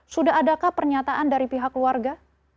sudah adakah pernyataan dari pihak keluarga